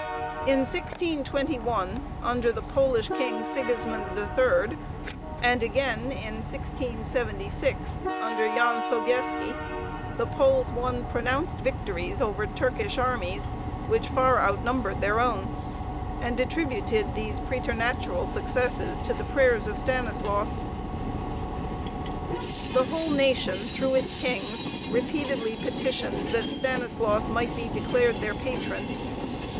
In 1621, under the Polish king, Sigismund III, and again in 1676, under Yan Sobieski, the Poles won pronounced victories over Turkish armies which far outnumbered their own, and attributed these preternatural successes to the prayers of Stanislaus. The whole nation, through its kings, repeatedly petitioned that Stanislaus might be declared their Patron.